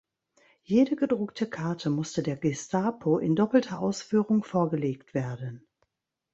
Jede gedruckte Karte musste der Gestapo in doppelter Ausführung vorgelegt werden.